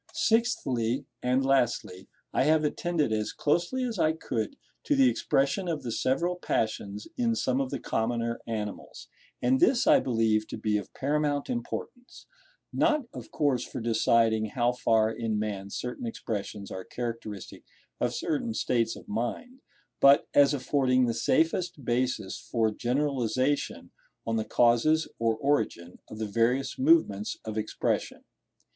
Sixthly, and lastly, I have attended as closely as I could, to the expression of the several passions in some of the commoner animals; and this I believe to be of paramount importance, not of course for deciding how far in man certain expressions are characteristic of certain states of mind, but as affording the safest basis for generalisation on the causes, or origin, of the various movements of Expression.